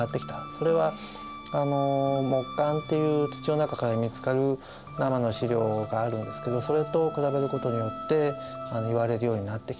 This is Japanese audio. それは木簡っていう土の中から見つかる奈良の資料があるんですけどそれと比べることによっていわれるようになってきた。